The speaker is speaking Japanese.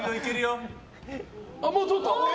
もう通った！